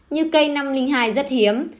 như cây năm trăm linh hai rất hiếm